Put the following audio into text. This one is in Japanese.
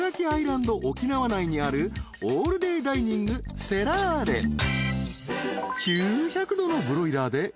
アイランド沖縄内にあるオールデイダイニングセラーレ］